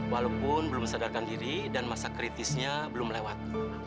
walaupun belum sadarkan diri dan masa kritisnya belum lewat